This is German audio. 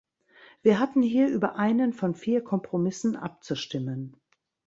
Wir hatten hier über einen von vier Kompromissen abzustimmen.